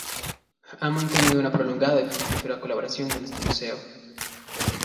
Ha mantenido una prolongada y fructífera colaboración con este museo.